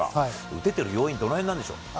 打ててる要因、どのへんなんでしょう？